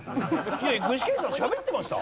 具志堅さんしゃべってました？